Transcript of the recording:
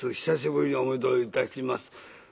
久しぶりにお目通りいたします。